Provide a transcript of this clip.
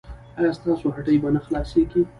ایا ستاسو هټۍ به نه خلاصیږي؟